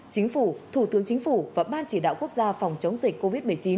chính phủ thủ tướng chính phủ và ban chỉ đạo quốc gia phòng chống dịch covid một mươi chín